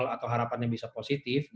atau harapannya bisa positif